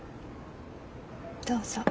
どうぞ。